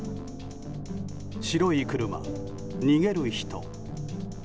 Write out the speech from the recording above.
白い車、逃げる人。